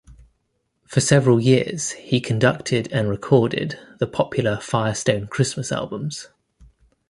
For several years he conducted and recorded the popular Firestone Christmas albums.